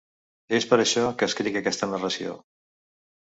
És per això que escric aquesta narració.